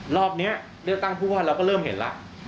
รอบนี้เลือกตั้งผู้ว่าเราก็เริ่มเห็นแล้ว